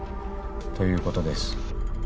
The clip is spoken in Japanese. ということです。